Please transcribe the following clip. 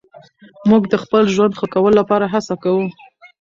موږ د خپل ژوند ښه کولو لپاره هڅه کوو.